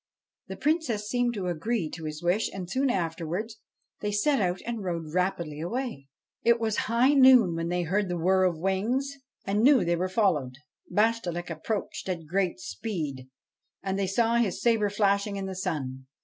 The Princess seemed to agree to his wish, and, soon afterwards, they set out and rode rapidly away. It was high noon when they heard the whir of wings and knew they were followed. Bashtchelik approached at a great speed, and they saw his sabre flashing in the sun.